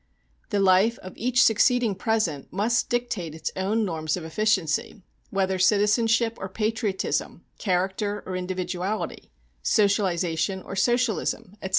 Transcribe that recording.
The life of each succeeding present must dictate its own norms of efficiency: whether citizenship or patriotism, character or individuality, socialization or socialism, etc.